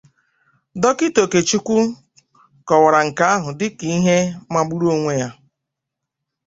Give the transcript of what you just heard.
Dọkịta Okechukwu kọwara nke ahụ dịka ihe magburu onwe ya